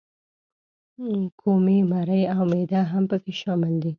کومي، مرۍ او معده هم پکې شامل دي.